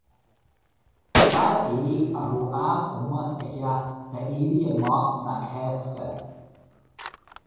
Fear é a raibh an-ómós aige d'Éirí Amach na Cásca.